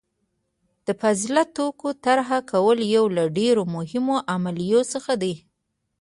د فاضله توکي طرحه کول یو له ډیرو مهمو عملیو څخه دي.